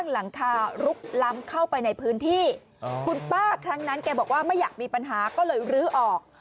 ในพื้นที่คุณป้าครั้งนั้นแกบอกว่าไม่อยากมีปัญหาก็เลยรื้อออก